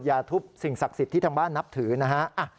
อย่าทุบสิ่งศักดิ์สิทธิ์ที่ทางบ้านนับถือนะฮะ